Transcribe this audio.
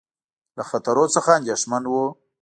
له خطرونو څخه اندېښمن وو.